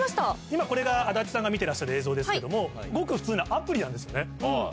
今これが足立さんが見てらっしゃる映像ですけどもごく普通のアプリなんですね。